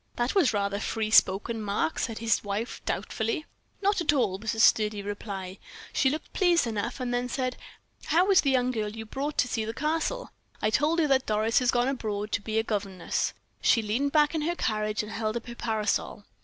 "That was rather free spoken, Mark," said his wife, doubtfully. "Not at all," was the sturdy reply. "She looked pleased enough; then she said: 'How is the young girl you brought to see the Castle?' I told her that Doris had gone abroad, to be a governess; she leaned back in her carriage, and held up her parasol.